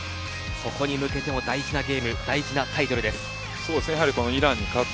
そこに向けても大事なゲーム大事なタイトルです。